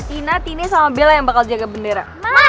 ini aja tina tine sama bella yang bakal jaga bendera